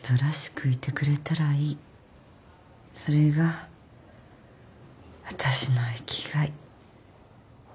それが私の生きがい。